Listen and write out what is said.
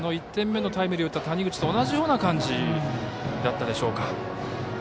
１点目のタイムリーを打った谷口と同じような感じだったでしょうか。